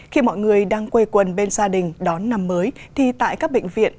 khi mọi người đang quê quần bên gia đình đón năm mới thì tại các bệnh viện